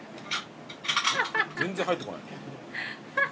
全然入ってこない。